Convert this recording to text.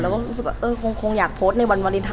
เราก็รู้สึกว่าเออคงอยากโพสในวาเลนไทย